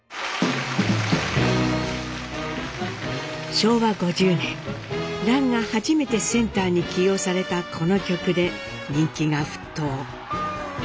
昭和５０年蘭が初めてセンターに起用されたこの曲で人気が沸騰。